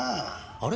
あれ！？